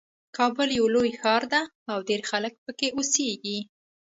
کابل یو لوی ښار ده او ډېر خلک پکې اوسیږي